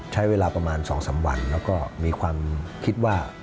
ใช้เวลาประมาณ๒๓วันแล้วก็มีความคิดว่า